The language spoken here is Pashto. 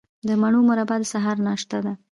د مڼو مربا د سهار ناشته ده.